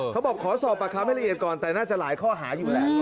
ขอสอบปากคำให้ละเอียดก่อนแต่น่าจะหลายข้อหาอยู่แหละ